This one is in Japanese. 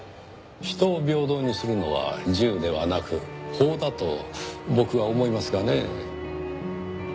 人を平等にするのは銃ではなく法だと僕は思いますがねぇ。